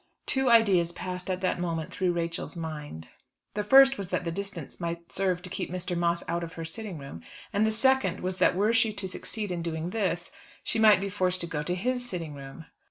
Two ideas passed at that moment through Rachel's mind. The first was that the distance might serve to keep Mr. Moss out of her sitting room, and the second was that were she to succeed in doing this, she might be forced to go to his sitting room.